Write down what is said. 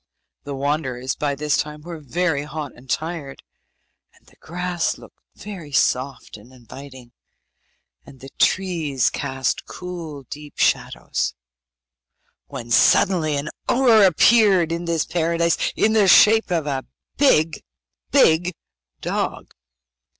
The wanderers by this time were very hot and tired, and the grass looked very soft and inviting, and the trees cast cool deep shadows, when suddenly an ogre appeared in this Paradise, in the shape of a big, big dog!